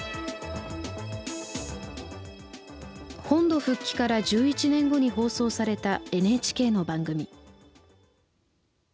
本土復帰から１１年後に放送されたＮＨＫの番組。